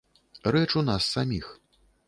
Рэч у нас саміх.